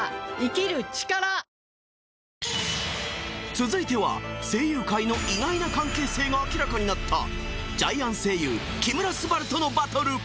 続いては声優界の意外な関係性が明らかになったジャイアン声優木村昴とのバトル